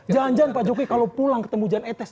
jangan jangan pak jokowi kalau pulang ketemu jan etes